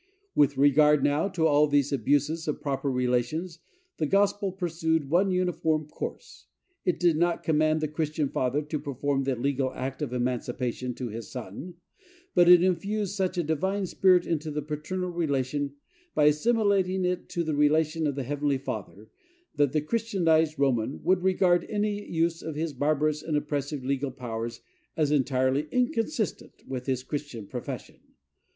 With regard, now, to all these abuses of proper relations, the gospel pursued one uniform course. It did not command the Christian father to perform the legal act of emancipation to his son; but it infused such a divine spirit into the paternal relation, by assimilating it to the relation of the heavenly Father, that the Christianized Roman would regard any use of his barbarous and oppressive legal powers as entirely inconsistent with his Christian profession.